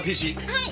はい。